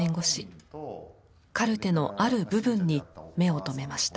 カルテのある部分に目を留めました。